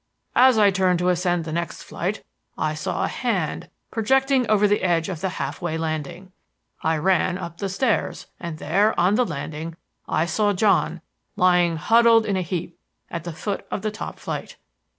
As I turned to ascend the next flight, I saw a hand projecting over the edge of the half way landing. I ran up the stairs, and there, on the landing, I saw John lying huddled up in a heap at the foot of the top flight.